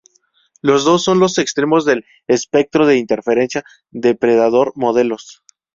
Los dos son los extremos del espectro de interferencia depredador modelos.